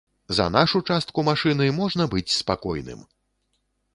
За нашу частку машыны можна быць спакойным!